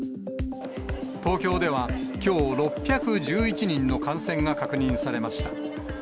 東京では、きょう６１１人の感染が確認されました。